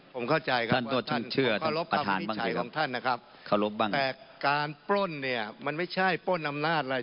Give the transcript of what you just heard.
ผมเข้าใจครับว่าท่านขอขอบคุณท่านของท่านนะครับแต่การปล้นเนี่ยมันไม่ใช่ปล้นอำนาจเลย